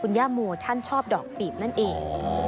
ย่าโมท่านชอบดอกปีบนั่นเอง